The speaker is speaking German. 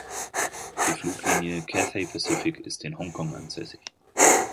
Die Fluglinie "Cathay Pacific" ist in Hongkong ansässig.